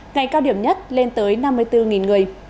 ngày cao điểm nhất lên tới năm mươi bốn người